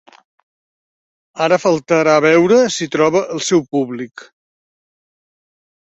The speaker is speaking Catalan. Ara faltarà veure si troba el seu públic.